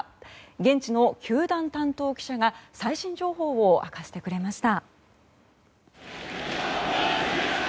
現地の球団担当記者が最新情報を明かしてくれました。